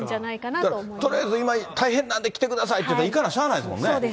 とりあえず今、大変なんで来てくださいって言ったら、いかなしゃあないですもんそうです。